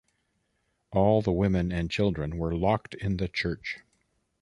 All the women and children were locked in the church.